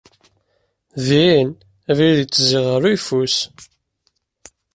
Din, abrid yettezzi ɣef uyeffus.